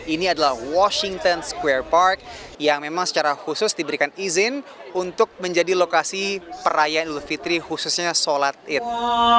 ini adalah washington square park yang memang secara khusus diberikan izin untuk menjadi lokasi perayaan idul fitri khususnya sholat id